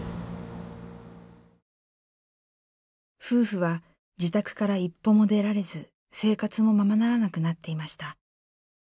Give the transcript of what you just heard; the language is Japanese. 夫婦は自宅から一歩も出られず生活もままならなくなっていました。